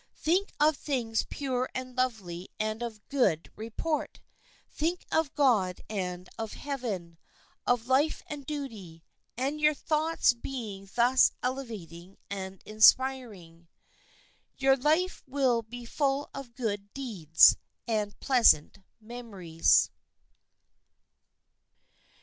Think of things pure and lovely and of good report; think of God and of heaven, of life and duty, and your thoughts being thus elevating and inspiring, your life will be full of good deeds and pleasant memories.